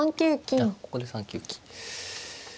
あっここで３九金。